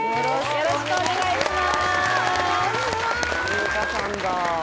よろしくお願いします